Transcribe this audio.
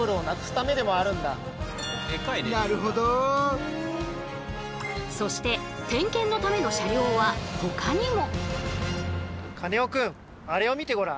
それではそして点検のための車両はほかにも。